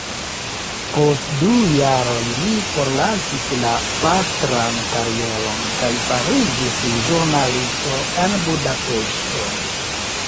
Post du jaroj li forlasis la pastran karieron, kaj fariĝis ĵurnalisto en Budapeŝto.